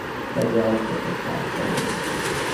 তবে অল্প কথায়?